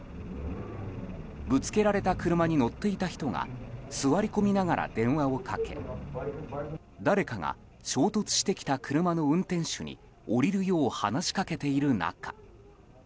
ぶつけられた車に乗っていた人が座り込みながら電話をかけ誰かが衝突してきた車の運転手に降りるよう話しかけている中。